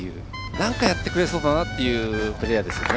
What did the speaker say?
なんかやってくれそうだなというプレーヤーですよね。